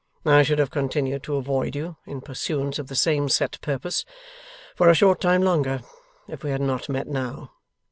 I should have continued to avoid you, in pursuance of the same set purpose, for a short time longer, if we had not met now.